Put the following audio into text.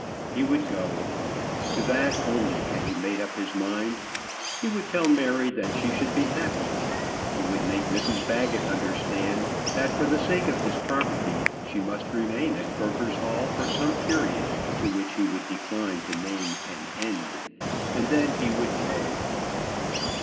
He would go. To that only had he made up his mind. He would tell Mary that she should be happy. He would make Mrs Baggett understand that for the sake of his property she must remain at Croker's Hall for some period to which he would decline to name an end. And then he would go.